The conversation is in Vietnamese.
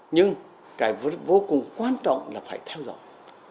nhưng cái vô cùng quan trọng là phải theo dõi